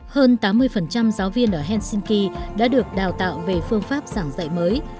hơn tám mươi giáo viên ở helsinki đã được đào tạo về phương pháp giảng dạy mới